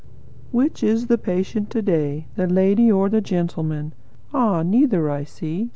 "Which is the patient to day? The lady or the gentleman? Ah, neither, I see.